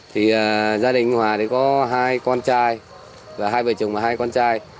thì gia đình hòa thì có hai con trai và hai vợ chồng và hai con trai